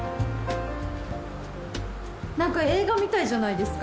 なんか映画みたいじゃないですか？